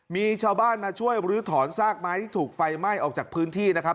มีชาวบ้านมาช่วยบรื้อถอนซากไม้ที่ถูกไฟไหม้ออกจากพื้นที่นะครับ